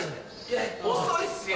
遅いっすよ。